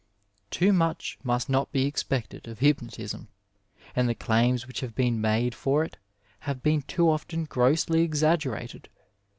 Too much must not be expected of hypnotism, and the claims which have been made for it have been too often grossly exaggerated.